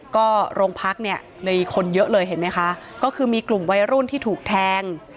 ก็โรงพักเนี่ยมีคนเยอะเลยเห็นไหมคะก็คือมีกลุ่มวัยรุ่นที่ถูกแทง